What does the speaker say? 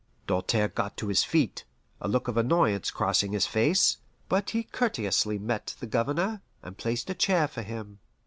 Doltaire got to his feet, a look of annoyance crossing his face; but he courteously met the Governor, and placed a chair for him.